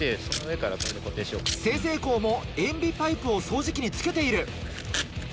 済々黌も塩ビパイプを掃除機に付けている。